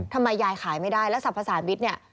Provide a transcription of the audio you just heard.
ทำไมยายขายไม่ได้แล้วสรรพสามิตรเนี่ย